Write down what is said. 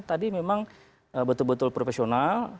tadi memang betul betul profesional